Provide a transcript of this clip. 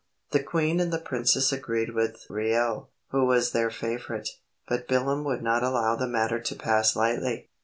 The queen and the princess agreed with Reuel, who was their favorite, but Bilam would not allow the matter to pass lightly.